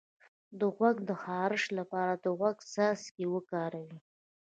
د غوږ د خارش لپاره د غوږ څاڅکي وکاروئ